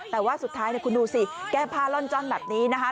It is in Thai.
แต่ว่าสุดท้ายคุณดูสิแก้ผ้าล่อนจ้อนแบบนี้นะคะ